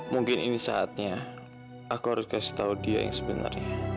mungkin ini saatnya aku harus kasih tahu dia yang sebenarnya